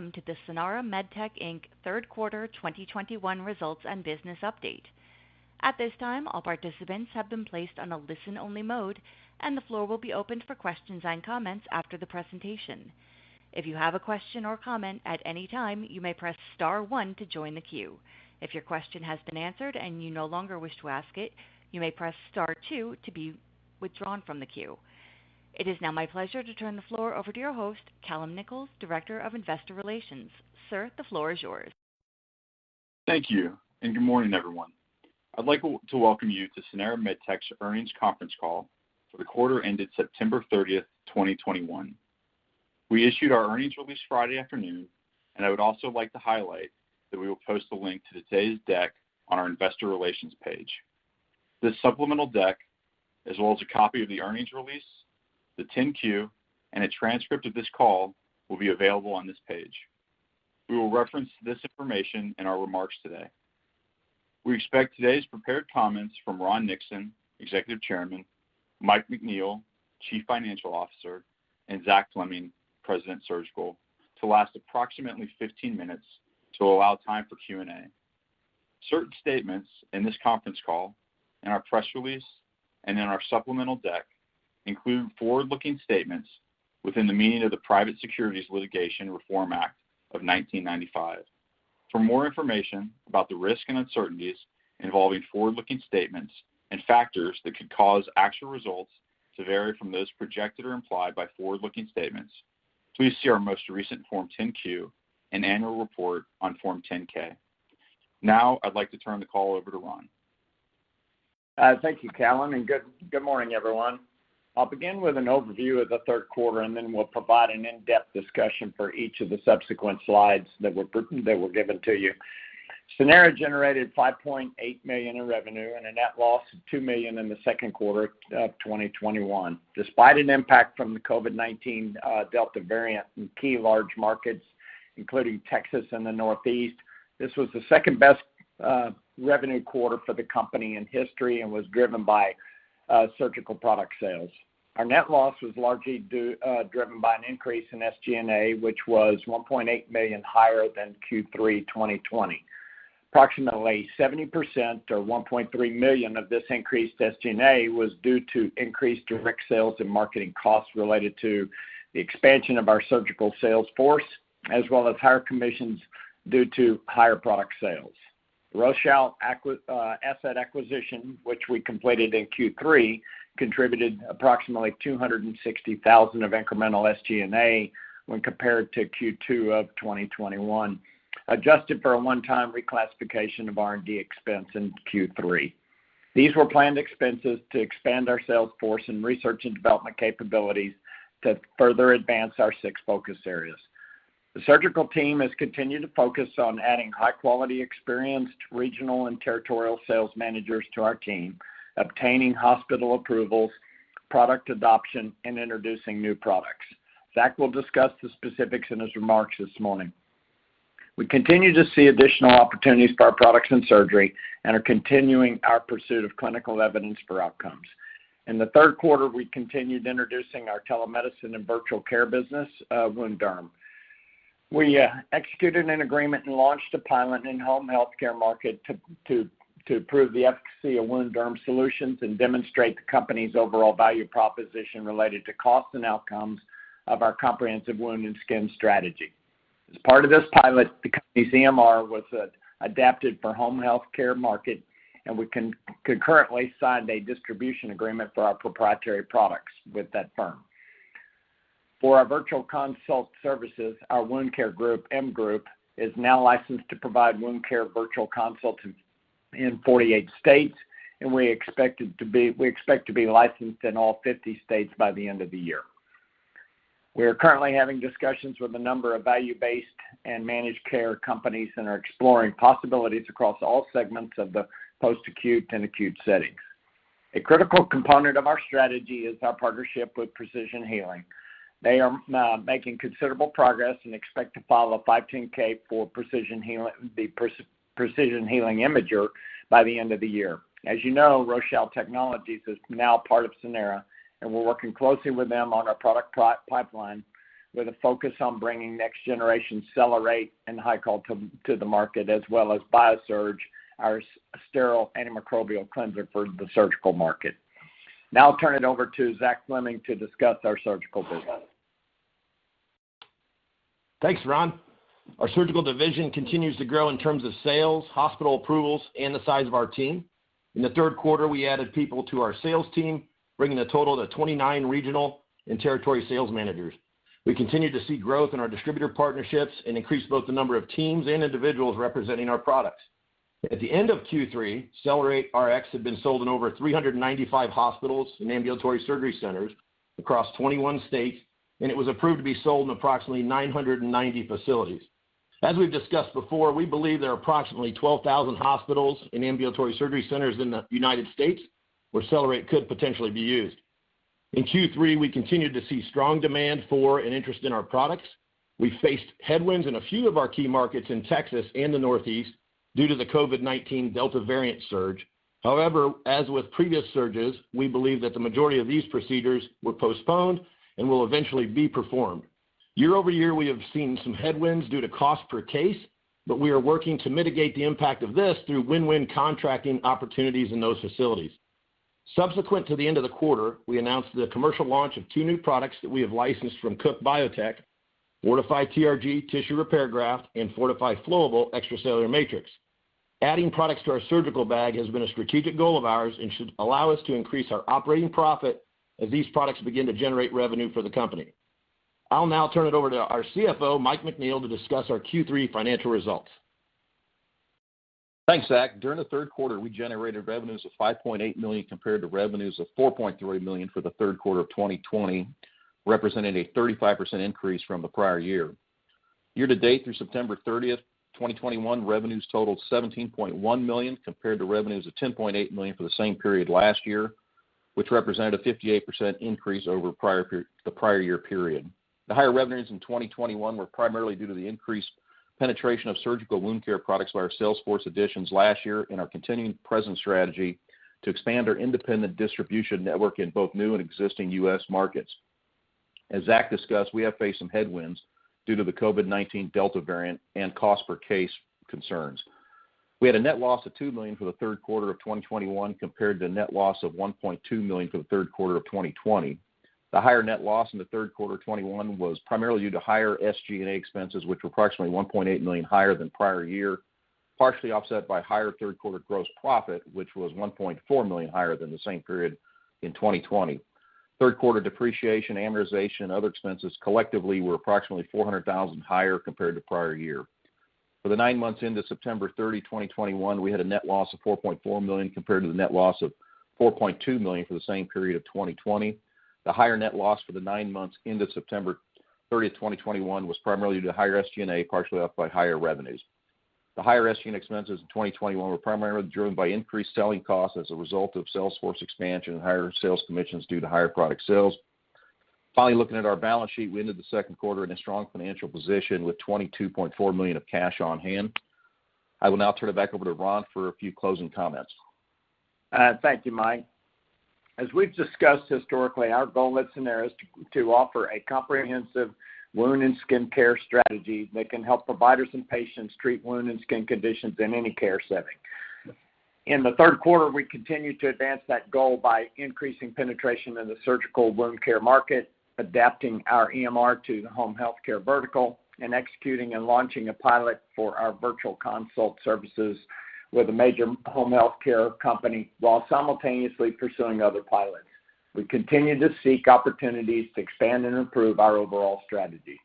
Welcome to the Sanara MedTech Inc. Q3 2021 results and business update. At this time, all participants have been placed on a listen-only mode, and the floor will be opened for questions and comments after the presentation. If you have a question or comment at any time, you may press star one to join the queue. If your question has been answered and you no longer wish to ask it, you may press star two to be withdrawn from the queue. It is now my pleasure to turn the floor over to your host, Callon Nichols, Director of Investor Relations. Sir, the floor is yours. Thank you, and good morning, everyone. I'd like to welcome you to Sanara MedTech's earnings conference call for the quarter ended September 30, 2021. We issued our earnings release Friday afternoon, and I would also like to highlight that we will post a link to today's deck on our investor relations page. This supplemental deck, as well as a copy of the earnings release, the 10-Q, and a transcript of this call will be available on this page. We will reference this information in our remarks today. We expect today's prepared comments from Ron Nixon, Executive Chairman, Mike McNeil, Chief Financial Officer, and Zach Fleming, President, Surgical, to last approximately 15 minutes to allow time for Q&A. Certain statements in this conference call and our press release and in our supplemental deck include forward-looking statements within the meaning of the Private Securities Litigation Reform Act of 1995. For more information about the risk and uncertainties involving forward-looking statements and factors that could cause actual results to vary from those projected or implied by forward-looking statements, please see our most recent Form 10-Q and annual report on Form 10-K. Now, I'd like to turn the call over to Ron. Thank you, Callon, and good morning, everyone. I'll begin with an overview of the Q3, and then we'll provide an in-depth discussion for each of the subsequent slides that were given to you. Sanara generated $5.8 million in revenue and a net loss of $2 million in the Q2 of 2021. Despite an impact from the COVID-19 Delta variant in key large markets, including Texas and the Northeast, this was the second-best revenue quarter for the company in history and was driven by surgical product sales. Our net loss was largely driven by an increase in SG&A, which was $1.8 million higher than Q3 2020. Approximately 70% or $1.3 million of this increased SG&A was due to increased direct sales and marketing costs related to the expansion of our surgical sales force, as well as higher commissions due to higher product sales. The Rochal asset acquisition, which we completed in Q3, contributed approximately $260,000 of incremental SG&A when compared to Q2 of 2021, adjusted for a one-time reclassification of R&D expense in Q3. These were planned expenses to expand our sales force and research and development capabilities to further advance our six focus areas. The surgical team has continued to focus on adding high-quality experienced regional and territorial sales managers to our team, obtaining hospital approvals, product adoption, and introducing new products. Zach will discuss the specifics in his remarks this morning. We continue to see additional opportunities for our products in surgery and are continuing our pursuit of clinical evidence for outcomes. In the Q3, we continued introducing our telemedicine and virtual care business of WounDerm. We executed an agreement and launched a pilot in home healthcare market to prove the efficacy of WounDerm solutions and demonstrate the company's overall value proposition related to cost and outcomes of our comprehensive wound and skin strategy. As part of this pilot, the company's EMR was adapted for home healthcare market, and we concurrently signed a distribution agreement for our proprietary products with that firm. For our virtual consult services, our wound care group, Mgroup, is now licensed to provide wound care virtual consults in 48 states, and we expect to be licensed in all 50 states by the end of the year. We are currently having discussions with a number of value-based and managed care companies and are exploring possibilities across all segments of the post-acute and acute settings. A critical component of our strategy is our partnership with Precision Healing. They are now making considerable progress and expect to file a 510(k) for the Precision Healing Imager by the end of the year. As you know, Rochal Technologies is now part of Sanara, and we're working closely with them on our product pipeline with a focus on bringing next-generation Cellerate and HYCOL to the market, as well as BIASURGE, our sterile antimicrobial cleanser for the surgical market. Now I'll turn it over to Zach Fleming to discuss our surgical business. Thanks, Ron. Our surgical division continues to grow in terms of sales, hospital approvals, and the size of our team. In the Q3, we added people to our sales team, bringing the total to 29 regional and territory sales managers. We continued to see growth in our distributor partnerships and increased both the number of teams and individuals representing our products. At the end of Q3, CellerateRX had been sold in over 395 hospitals and ambulatory surgery centers across 21 states, and it was approved to be sold in approximately 990 facilities. As we've discussed before, we believe there are approximately 12,000 hospitals and ambulatory surgery centers in the United States where CellerateRX could potentially be used. In Q3, we continued to see strong demand for and interest in our products. We faced headwinds in a few of our key markets in Texas and the Northeast. Due to the COVID-19 Delta variant surge. However, as with previous surges, we believe that the majority of these procedures were postponed and will eventually be performed. Year-over-year, we have seen some headwinds due to cost per case, but we are working to mitigate the impact of this through win-win contracting opportunities in those facilities. Subsequent to the end of the quarter, we announced the commercial launch of two new products that we have licensed from Cook Biotech, FORTIFY TRG Tissue Repair Graft and FORTIFY FLOWABLE Extracellular Matrix. Adding products to our surgical bag has been a strategic goal of ours and should allow us to increase our operating profit as these products begin to generate revenue for the company. I'll now turn it over to our CFO, Mike McNeil, to discuss our Q3 financial results. Thanks, Zach. During the Q3, we generated revenues of $5.8 million compared to revenues of $4.3 million for the Q3 of 2020, representing a 35% increase from the prior year. Year to date through September 30, 2021, revenues totaled $17.1 million compared to revenues of $10.8 million for the same period last year, which represented a 58% increase over the prior year period. The higher revenues in 2021 were primarily due to the increased penetration of surgical wound care products by our sales force additions last year and our continuing presence strategy to expand our independent distribution network in both new and existing U.S. markets. As Zach discussed, we have faced some headwinds due to the COVID-19 Delta variant and cost per case concerns. We had a net loss of $2 million for the Q3 of 2021 compared to the net loss of $1.2 million for the Q3 of 2020. The higher net loss in the Q3 of 2021 was primarily due to higher SG&A expenses, which were approximately $1.8 million higher than prior year, partially offset by higher Q3 gross profit, which was $1.4 million higher than the same period in 2020. Q3 depreciation, amortization, and other expenses collectively were approximately $400,000 higher compared to prior year. For the nine months into September 30, 2021, we had a net loss of $4.4 million compared to the net loss of $4.2 million for the same period of 2020. The higher net loss for the nine months ended September 30, 2021, was primarily due to higher SG&A, partially offset by higher revenues. The higher SG&A expenses in 2021 were primarily driven by increased selling costs as a result of sales force expansion and higher sales commissions due to higher product sales. Finally, looking at our balance sheet, we ended the Q2 in a strong financial position with $22.4 million of cash on hand. I will now turn it back over to Ron for a few closing comments. Thank you, Mike. As we've discussed historically, our goal at Sanara MedTech is to offer a comprehensive wound and skin care strategy that can help providers and patients treat wound and skin conditions in any care setting. In the Q3, we continued to advance that goal by increasing penetration in the surgical wound care market, adapting our EMR to the home healthcare vertical, and executing and launching a pilot for our virtual consult services with a major home healthcare company while simultaneously pursuing other pilots. We continue to seek opportunities to expand and improve our overall strategy.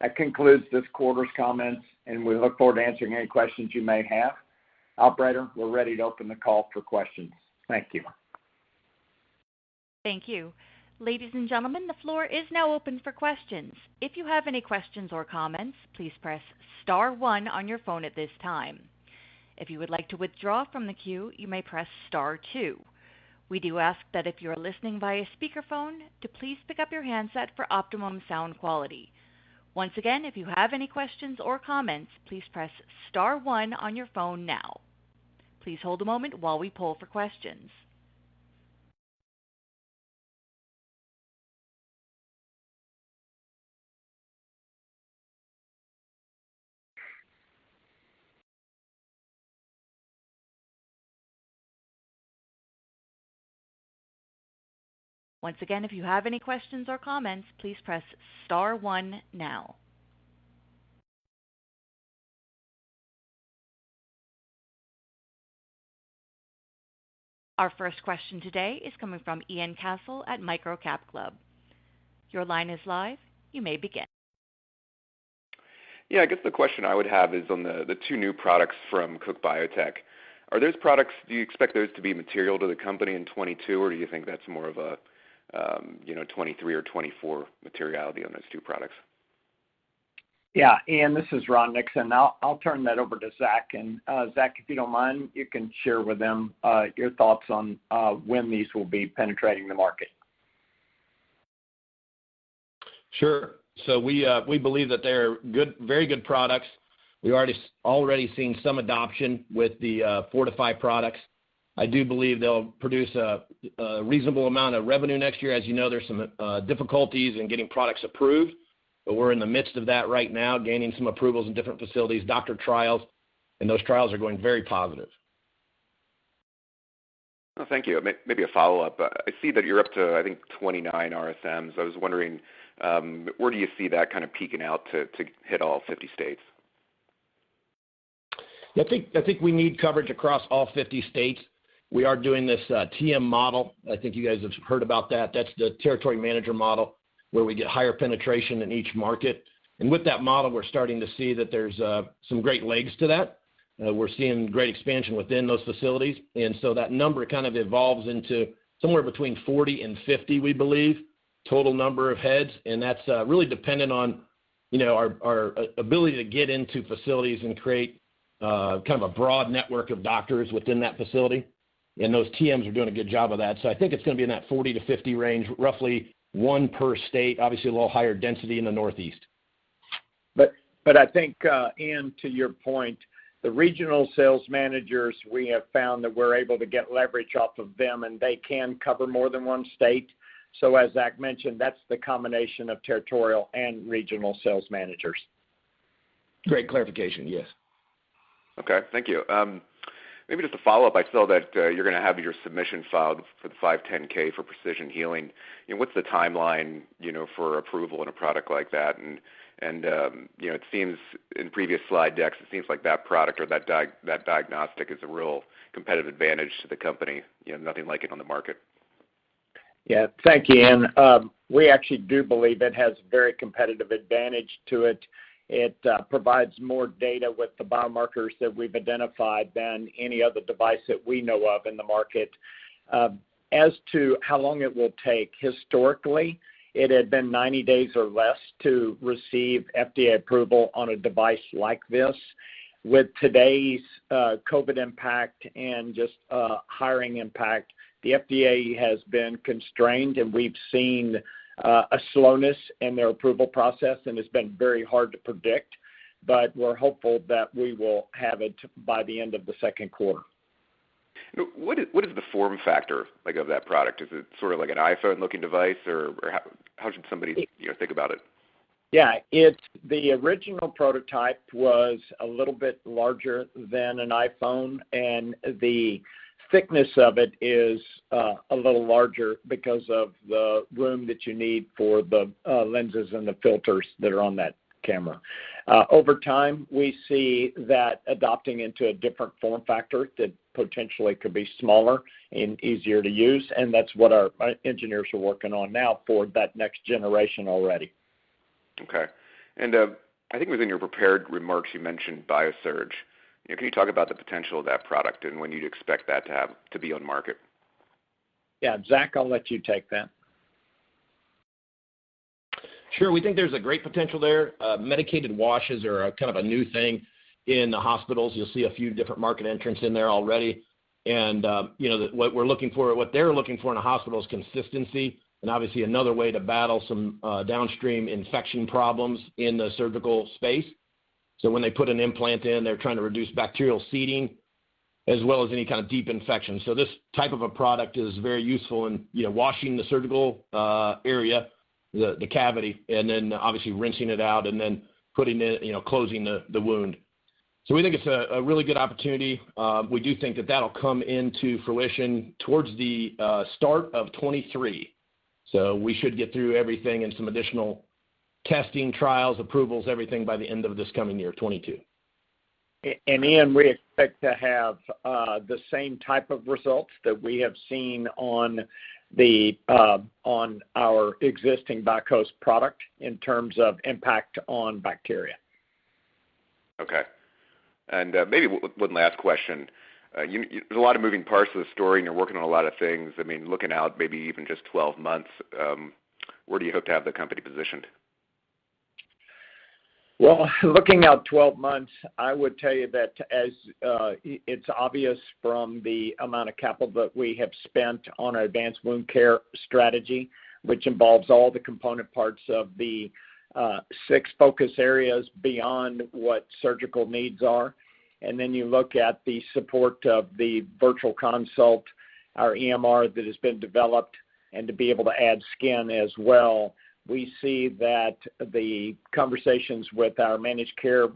That concludes this quarter's comments, and we look forward to answering any questions you may have. Operator, we're ready to open the call for questions. Thank you. Thank you. Ladies and gentlemen, the floor is now open for questions. If you have any questions or comments, please press star one on your phone at this time. If you would like to withdraw from the queue, you may press star two. We do ask that if you are listening via speakerphone, to please pick up your handset for optimum sound quality. Once again, if you have any questions or comments, please press star one on your phone now. Please hold a moment while we poll for questions. Once again, if you have any questions or comments, please press star one now. Our first question today is coming from Ian Cassel at MicroCapClub. Your line is live. You may begin. Yeah, I guess the question I would have is on the two new products from Cook Biotech. Are those products? Do you expect those to be material to the company in 2022, or do you think that's more of a, you know, 2023 or 2024 materiality on those two products? Yeah. Ian, this is Ron Nixon. I'll turn that over to Zach. And Zach, if you don't mind, you can share with them your thoughts on when these will be penetrating the market. Sure. So we believe that they are good, very good products. We already seen some adoption with the FORTIFY products. I do believe they'll produce a reasonable amount of revenue next year. As you know, there's some difficulties in getting products approved, but we're in the midst of that right now, gaining some approvals in different facilities, doctor trials, and those trials are going very positive. Thank you. Maybe a follow-up. I see that you're up to, I think, 29 RSMs. I was wondering where do you see that kind of peaking out to hit all 50 states? I think we need coverage across all 50 states. We are doing this TM model. I think you guys have heard about that. That's the territory manager model where we get higher penetration in each market. With that model, we're starting to see that there's some great legs to that. We're seeing great expansion within those facilities. And so that number kind of evolves into somewhere between 40 and 50, we believe, total number of heads. And that's really dependent on, you know, our ability to get into facilities and create kind of a broad network of doctors within that facility. And those TMs are doing a good job of that. I think it's gonna be in that 40-50 range, roughly one per state, obviously a little higher density in the Northeast. But I think, Ian, to your point, the regional sales managers, we have found that we're able to get leverage off of them, and they can cover more than one state. So as Zach mentioned, that's the combination of Territory and regional sales managers. Great clarification. Yes. Okay, thank you. Maybe just a follow-up. I saw that you're gonna have your submission filed for the 510(k) for Precision Healing. You know, what's the timeline, you know, for approval in a product like that? And you know, it seems in previous slide decks, it seems like that product or that diagnostic is a real competitive advantage to the company, you know, nothing like it on the market. Yeah. Thank you, Ian. We actually do believe it has very competitive advantage to it. It provides more data with the biomarkers that we've identified than any other device that we know of in the market. As to how long it will take, historically, it had been 90 days or less to receive FDA approval on a device like this. With today's COVID impact and just hiring impact, the FDA has been constrained, and we've seen a slowness in their approval process, and it's been very hard to predict. But we're hopeful that we will have it by the end of the Q2. What is the form factor like of that product? Is it sort of like an iPhone looking device? Or how should somebody, you know, think about it? Yeah. It's the original prototype was a little bit larger than an iPhone, and the thickness of it is a little larger because of the room that you need for the lenses and the filters that are on that camera. Over time, we see that adopting into a different form factor that potentially could be smaller and easier to use, and that's what our engineers are working on now for that next generation already. Okay. And then I think within your prepared remarks, you mentioned BIASURGE. You know, can you talk about the potential of that product and when you'd expect that to have to be on market? Yeah. Zach, I'll let you take that. Sure. We think there's a great potential there. Medicated washes are kind of a new thing in the hospitals. You'll see a few different market entrants in there already. And, you know, what they're looking for in a hospital is consistency and obviously another way to battle some downstream infection problems in the surgical space. So when they put an implant in, they're trying to reduce bacterial seeding as well as any kind of deep infection. So this type of a product is very useful in you know, washing the surgical area, the cavity, and then obviously rinsing it out and then putting it you know, closing the wound. So we think it's a really good opportunity. We do think that that'll come into fruition towards the start of 2023. So we should get through everything and some additional testing, trials, approvals, everything by the end of this coming year, 2022. And Ian, we expect to have the same type of results that we have seen on our existing BIAKŌS product in terms of impact on bacteria. Okay. Maybe one last question. There's a lot of moving parts to the story, and you're working on a lot of things. I mean, looking out maybe even just 12 months, where do you hope to have the company positioned? Well, looking out 12 months, I would tell you that as it's obvious from the amount of capital that we have spent on our advanced wound care strategy, which involves all the component parts of the six focus areas beyond what surgical needs are. And then you look at the support of the virtual consult, our EMR that has been developed, and to be able to add skin as well. We see that the conversations with our managed care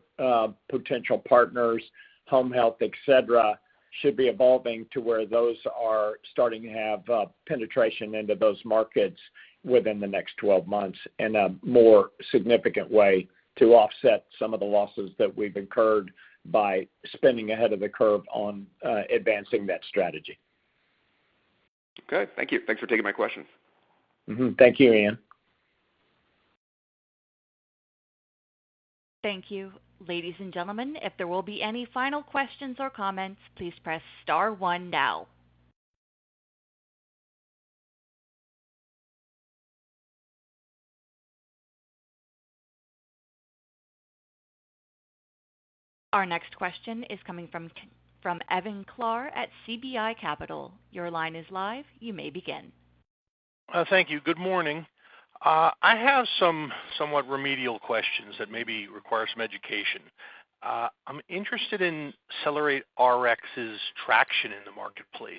potential partners, home health, et cetera, should be evolving to where those are starting to have penetration into those markets within the next 12 months in a more significant way to offset some of the losses that we've incurred by spending ahead of the curve on advancing that strategy. Good. Thank you. Thanks for taking my questions. Mm-hmm. Thank you, Ian. Thank you. Ladies and gentlemen, if there will be any final questions or comments, please press star one now. Our next question is coming from Evan Claar at CBI Capital. Your line is live. You may begin. Thank you. Good morning. I have some somewhat remedial questions that maybe require some education. I'm interested in CellerateRX's traction in the marketplace,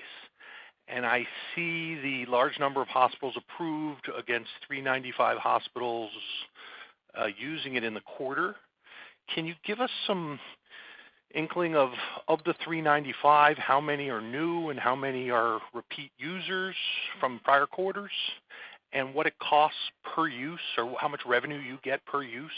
and I see the large number of hospitals approved against 395 hospitals using it in the quarter. Can you give us some inkling of the 395, how many are new and how many are repeat users from prior quarters, and what it costs per use or how much revenue you get per use?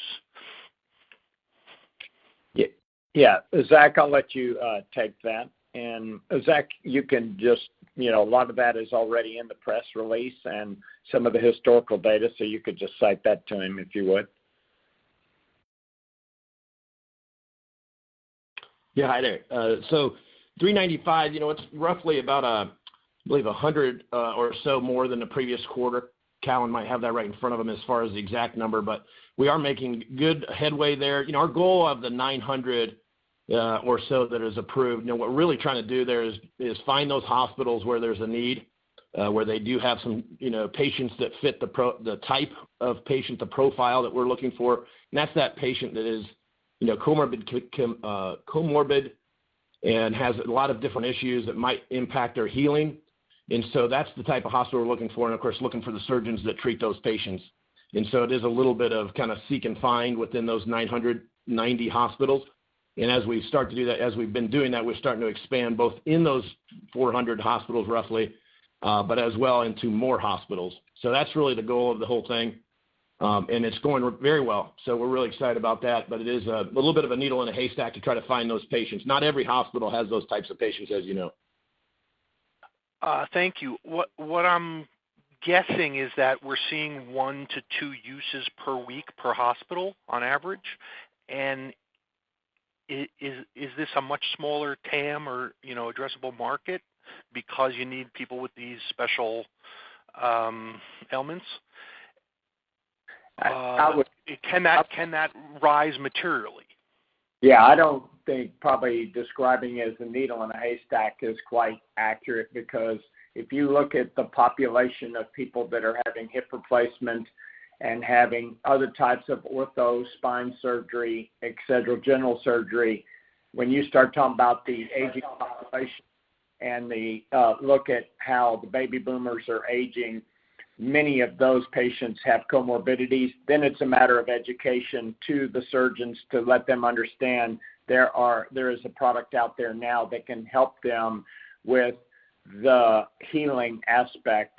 Yeah, Zach, I'll let you take that. And Zach, you can just, you know, a lot of that is already in the press release and some of the historical data, so you could just cite that to him, if you would. Yeah. Hi there. So $395, you know, it's roughly about a I believe 100 or so more than the previous quarter. Callon might have that right in front of him as far as the exact number, but we are making good headway there. You know, our goal of the 900 or so that is approved, you know, what we're really trying to do there is find those hospitals where there's a need, where they do have some, you know, patients that fit the type of patient, the profile that we're looking for. That's that patient that is, you know, comorbid and has a lot of different issues that might impact their healing. And so that's the type of hospital we're looking for and of course, looking for the surgeons that treat those patients. And so it is a little bit of kind of seek and find within those 990 hospitals. And as we start to do that, as we've been doing that, we're starting to expand both in those 400 hospitals, roughly, but as well into more hospitals. So that's really the goal of the whole thing. It's going very well, so we're really excited about that. It is a little bit of a needle in a haystack to try to find those patients. Not every hospital has those types of patients, as you know. Thank you. What I'm guessing is that we're seeing 1-2 uses per week per hospital on average. And is this a much smaller TAM or, you know, addressable market because you need people with these special ailments? I would- Can that rise materially? Yeah, I don't think probably describing it as a needle in a haystack is quite accurate because if you look at the population of people that are having hip replacement and having other types of ortho, spine surgery, et cetera, general surgery, when you start talking about the aging population and the look at how the baby boomers are aging, many of those patients have comorbidities. Then it's a matter of education to the surgeons to let them understand there is a product out there now that can help them with the healing aspect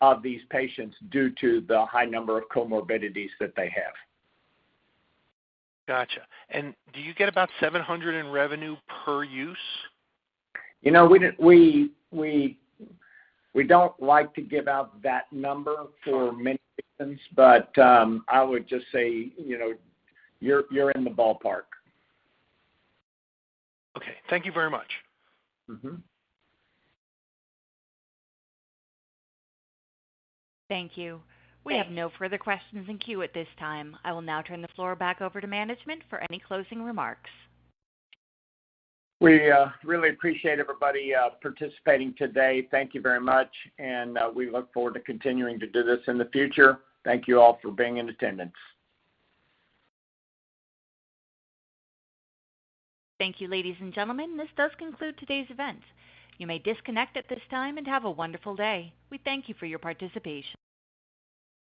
of these patients due to the high number of comorbidities that they have. Gotcha. And do you get about $700 in revenue per use? You know, we, we, we don't like to give out that number for many reasons, but I would just say, you know, you're in the ballpark. Okay. Thank you very much. Mm-hmm. Thank you. We have no further questions in queue at this time. I will now turn the floor back over to management for any closing remarks. We really appreciate everybody participating today. Thank you very much, and we look forward to continuing to do this in the future. Thank you all for being in attendance. Thank you, ladies and gentlemen, this does conclude today's event. You may disconnect at this time and have a wonderful day. We thank you for your participation.